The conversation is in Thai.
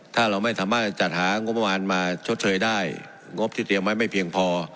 ถ้าเราไม่สามารถจัดหางบประมาณมาชดเชยได้งบที่เตรียมไว้ไม่เพียงพอ